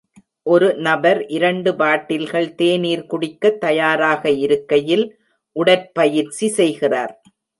ஒரு நபர் இரண்டு பாட்டில்கள் தேநீர் குடிக்க தயாராக இருக்கையில், உடற்பயிற்சி செய்கிறார்.